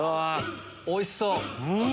おいしそう！